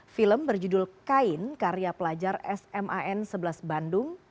film berjudul kain karya pelajar sman sebelas bandung